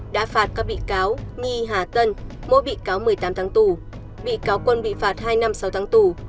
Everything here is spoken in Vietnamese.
đã phạt các bị cáo nghi hà tân mỗi bị cáo một mươi tám tháng tù bị cáo quân bị phạt hai năm sáu tháng tù